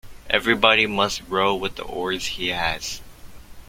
Everybody must row with the oars he has.